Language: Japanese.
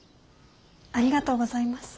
ありがとうございます。